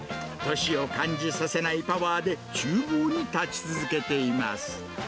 年を感じさせないパワーでちゅう房に立ち続けています。